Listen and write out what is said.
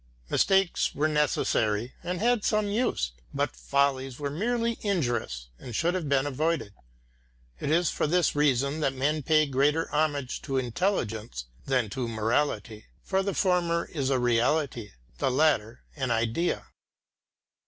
Mistakes were necessary and had some use, but follies were merely injurious and should have been avoided. It is for this reason that men pay greater honour to intelligence than to morality, for the former is a reality, the latter an idea.